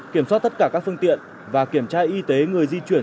kiểm soát tất cả các phương tiện và kiểm tra y tế người di chuyển